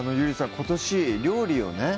今年料理をね